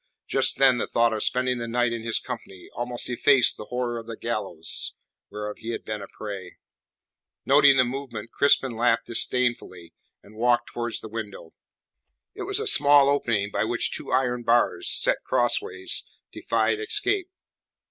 Just then the thought of spending the night in his company almost effaced the horror of the gallows whereof he had been a prey. Noting the movement, Crispin laughed disdainfully, and walked towards the window. It was a small opening, by which two iron bars, set crosswise, defied escape.